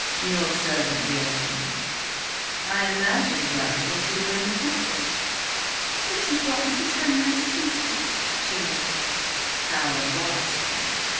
"Your servant, D'Egmont. I imagined, Lavvy, that you were in the country?" "Richard brought me to town last Tuesday," she answered. "How unwise of him!"